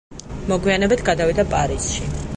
მოგვიანებით გადავიდა პარიზში.